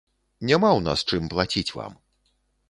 Няма ў нас чым плаціць вам.